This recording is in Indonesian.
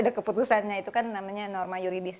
ada keputusannya itu kan namanya norma yuridis